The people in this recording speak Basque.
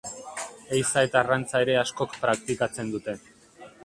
Ehiza eta arrantza ere askok praktikatzen dute.